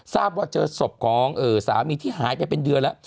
ทราบว่าเจอศพของสามีที่หายไปเป็นเดือนแล้ว